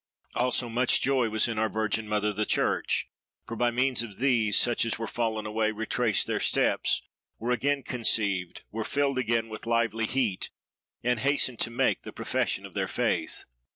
Also, much joy was in our virgin mother, the Church; for, by means of these, such as were fallen away retraced their steps—were again conceived, were filled again with lively heat, and hastened to make the profession of their faith.